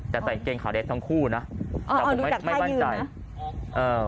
แต่ใส่เกลงขาเด็กทั้งคู่นะแต่ผมไม่มันดูจากท่ายืนนะ